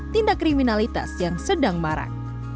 tindak kriminalitas yang sedang marak